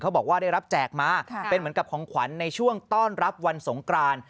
บอกว่าได้รับแจกมาเป็นเหมือนกับของขวัญในช่วงต้อนรับวันสงกราน